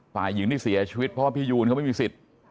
ฝ่ายหญิงที่เสียชีวิตเพราะพี่ยูนเขาไม่มีสิทธิ์